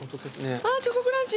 チョコクランチ。